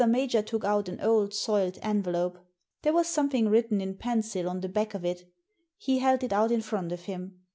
Major took out an old, soiled envelope. There was some thing written in pencil on the back of it He held it out in front of him.